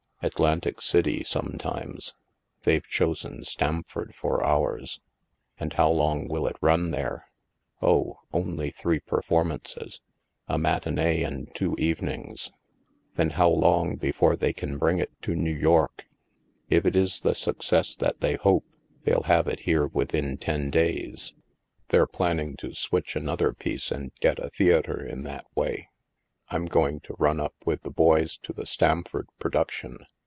Atlantic City, some times. They've chosen Stamford for ours." "And how long will it run there?" " Oh, only three performances — a matinee and two evenings." " Then how long before they can bring it to New York?" "If it is the success that they hope, they'll have HAVEN 307 it here within ten days. They're planning to switch another piece and get a theatre in that way. I'm going to run up with the boys to the Stamford production.